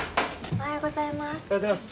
おはようございます。